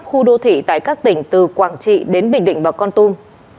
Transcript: khu đô thị tại các tỉnh từ quảng trị đến bình định và con tum